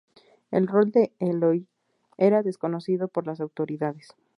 El rol de Eloy era desconocido por las autoridades.